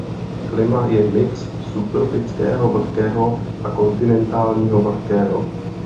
Klima je mix subtropického vlhkého a kontinentálního vlhkého.